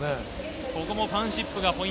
ここもファンシップがポイン